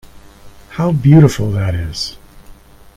How beautiful that is!